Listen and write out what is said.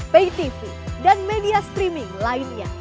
belum ada nama lain